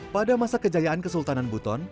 pada masa kejayaan kesultanan buton